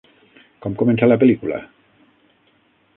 Com comença la pel·lícula?